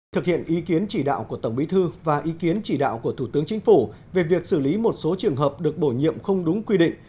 thực hiện ý kiến chỉ đạo của tổng bí thư và ý kiến chỉ đạo của thủ tướng chính phủ về việc xử lý một số trường hợp được bổ nhiệm không đúng quy định